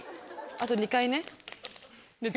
あと２回ね。